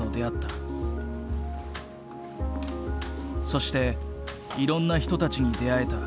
そしていろんな人たちに出会えた。